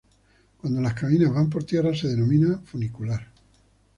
Cuando las cabinas van por tierra se denomina funicular.